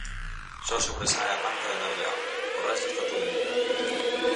Só sobresae a panca de darlle á auga, o resto está todo inundado.